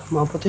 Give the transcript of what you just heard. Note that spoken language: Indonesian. maaf put ya